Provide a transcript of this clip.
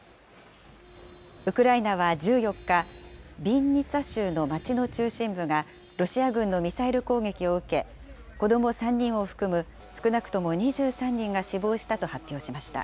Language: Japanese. ウクライナは１４日、ビンニツァ州の街の中心部がロシア軍のミサイル攻撃を受け、子ども３人を含む少なくとも２３人が死亡したと発表しました。